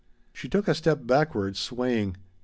She took a step backward, swaying.